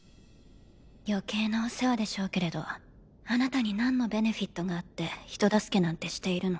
余計なお世話でしょうけれどあなたになんのベネフィットがあって人助けなんてしているの？